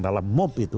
dalam mob itu